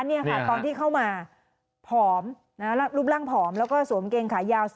นี่ค่ะตอนที่เข้ามาผอมรูปร่างผอมแล้วก็สวมเกงขายาว